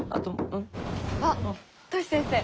あっトシ先生。